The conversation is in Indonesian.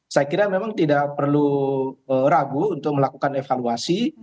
saya kira memang tidak perlu ragu untuk melakukan evaluasi